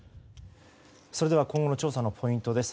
それでは今後の調査のポイントです。